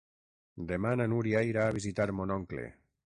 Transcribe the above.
Demà na Núria irà a visitar mon oncle.